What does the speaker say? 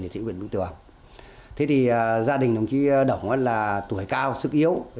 so sánh được